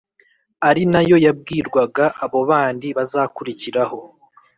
ari na yo yabwirwaga abo bandi bazakurikiraho